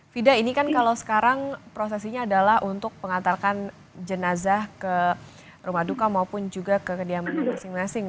fida ini kan kalau sekarang prosesinya adalah untuk pengantarkan jenazah ke rumah duka maupun juga ke kediaman masing masing